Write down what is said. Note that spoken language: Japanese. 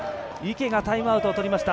池がタイムアウトをとりました。